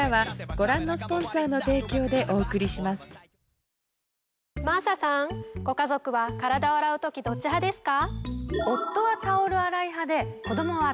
ご家族は体を洗う時どっち派ですか？